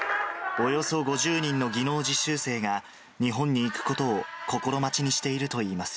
およそ５０人の技能実習生が、日本に行くことを心待ちにしているといいます。